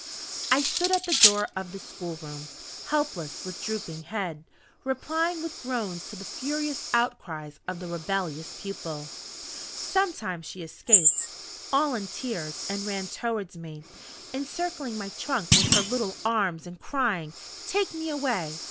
I stood at the door of the schoolroom, helpless, with drooping head, replying with groans to the furious outcries of the rebellious pupil. Sometimes she escaped, all in tears, and ran towards me, encircling my trunk with her little arms, and crying: "Take me away!